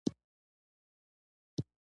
شوتله د څه لپاره کرل کیږي؟